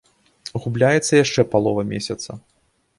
Губляецца яшчэ палова месяца.